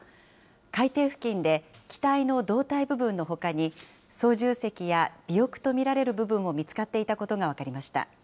海底付近で機体の胴体部分のほかに、操縦席や尾翼と見られる部分も見つかっていたことが分かりました。